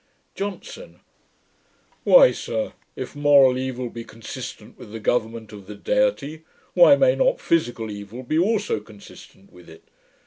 JOHNSON. 'Why, sir, if moral evil be consistent with the government of the Deity, why may not physical evil be also consistent with it?